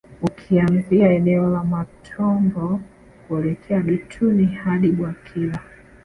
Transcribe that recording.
Ukianzia eneo la Matombo kuelekea Dutuni hadi Bwakila